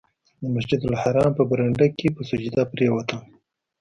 د مسجدالحرام په برنډه کې په سجده پرېوتم.